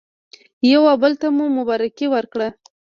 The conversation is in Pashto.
یو او بل ته مو مبارکي ورکړه.